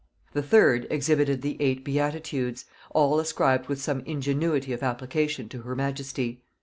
The third exhibited the eight Beatitudes, all ascribed with some ingenuity of application to her majesty.